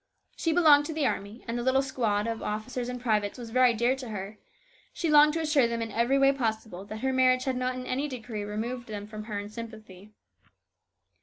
She belonged to the army, and the little squad of officers and privates was very dear to her. She longed to assure them in every way possible that her marriage had not in any degree removed them from her in sympathy.